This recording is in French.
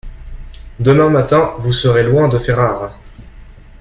Demain matin vous serez loin de Ferrare.